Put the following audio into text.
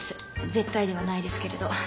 絶対ではないですけれど。